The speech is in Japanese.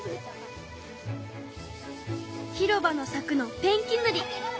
広場のさくのペンキぬり。